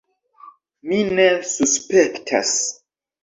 Mi ne suspektas.